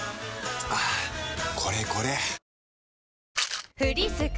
はぁこれこれ！